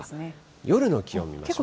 夜の気温見ましょう。